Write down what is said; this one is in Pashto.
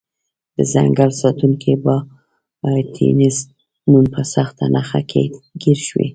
د ځنګل ساتونکی بابټیست نون په سخته نښته کې ګیر شوی و.